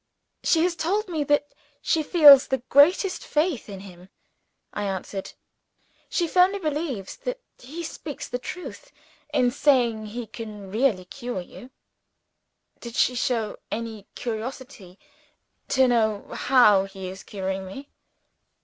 "She has told me that she feels the greatest faith in him," I answered. "She firmly believes that he speaks the truth in saying he can cure you." "Did she show any curiosity to know how he is curing me?"